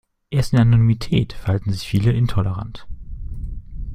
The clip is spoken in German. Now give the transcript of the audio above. Erst in der Anonymität verhalten sich viele intolerant.